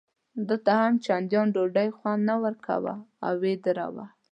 ده ته هم چندان ډوډۍ خوند نه ورکاوه او یې ودروله.